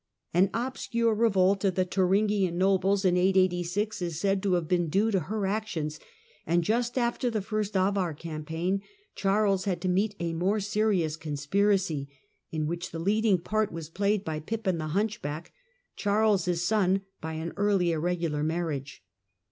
An obscure revolt of the Thuringian nobles in 886 is said to have been due to her actions ; and just after the first Avar campaign Charles had to meet a more serious conspiracy, in which the leading part was played by Pippin the Hunchback, Charles' son by an early irregular marriage.